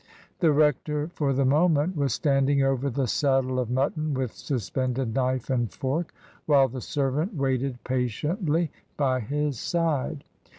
The rector for the moment was standing over the saddle of mutton with suspended knife and fork, while the servant waited patiently by his side.